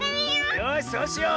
よしそうしよう！